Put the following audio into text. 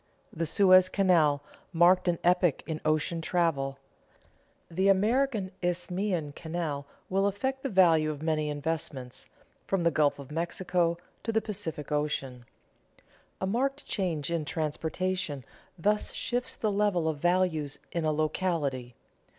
The Suez Canal marked an epoch in ocean travel. The American Isthmian Canal will affect the value of many investments, from the Gulf of Mexico to the Pacific Coast. A marked change in transportation thus shifts the level of values in a locality.